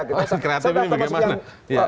kreatif ini bagaimana